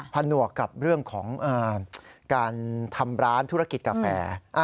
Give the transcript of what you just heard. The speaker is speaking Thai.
ผนวกกับเรื่องของการทำร้านธุรกิจกาแฟ